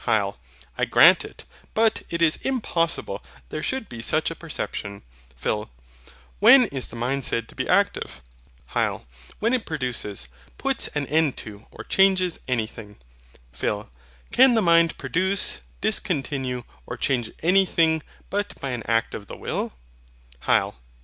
HYL. I grant it. But it is impossible there should be such a perception. PHIL. When is the mind said to be active? HYL. When it produces, puts an end to, or changes, anything. PHIL. Can the mind produce, discontinue, or change anything, but by an act of the will? HYL.